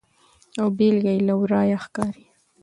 او بیلګه یې له ورایه ښکاري.